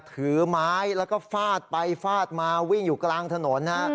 ถือไม้แล้วก็ฟาดไปฟาดมาวิ่งอยู่กลางถนนฮะ